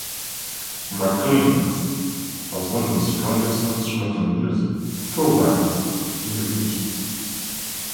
Macleans has one of the strongest instrumental music programmes in the region.